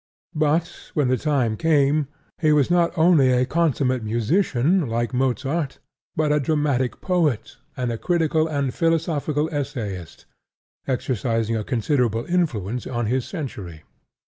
But when that time came, he was not only a consummate musician, like Mozart, but a dramatic poet and a critical and philosophical essayist, exercising a considerable influence on his century.